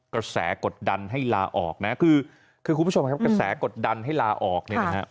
กระแสกดดันให้ลาออกนะคือคุณผู้ชมกระแสกดดันให้ลาออก